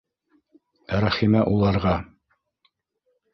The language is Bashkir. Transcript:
Рәхимә уларға: